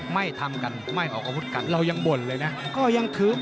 ไม่ทำกันไม่ออกอาวุธกันเรายังบ่นเลยนะก็ยังถือ